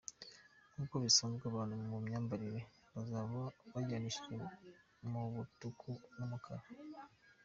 Nk’uko bisanzwe abantu mu myambarire bazaba bajyanishije mu mutuku n’umukara.